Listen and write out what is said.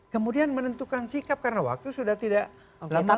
kemudian menentukan sikap karena waktu sudah tidak lama